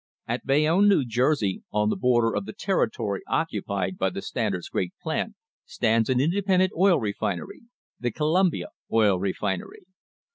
At Bayonne, New Jersey, on the border of the territory occupied by the Standard's great plant, stands an independent oil refinery, the Columbia Oil Company.